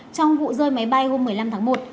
trong vụ rơi máy bay hôm một mươi năm tháng một